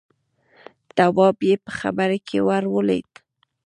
تواب يې په خبره کې ور ولوېد: